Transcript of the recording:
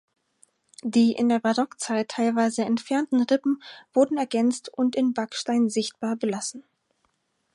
Die in der Barockzeit teilweise entfernten Rippen wurden ergänzt und in Backstein sichtbar belassen.